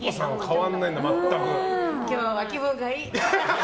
今日は気分がいい。